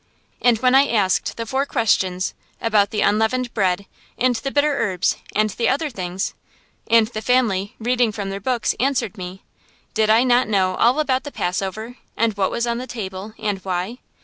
And when I asked the Four Questions, about the unleavened bread and the bitter herbs and the other things, and the family, reading from their books, answered me, did I not know all about Passover, and what was on the table, and why?